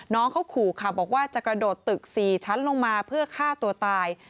น้องเขาขู่ค่ะบอกว่าจะกระโดดตึก๔ชั้นลงมาเพื่อฆ่าตัวตาย